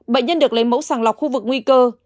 bệnh nhân được lấy mẫu sàng lọc khu vực nguy cơ